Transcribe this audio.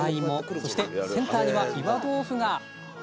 そしてセンターには岩豆腐が！